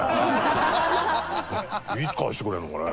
いつ返してくれるのかね？